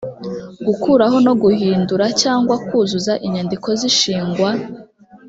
gukuraho no guhindura cyangwa kuzuza inyandiko z’ishingwa